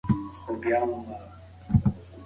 تاسو په کندهار کې بېجن سلطان د نایب په توګه وګمارئ.